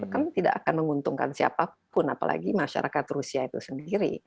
kan tidak akan menguntungkan siapapun apalagi masyarakat rusia itu sendiri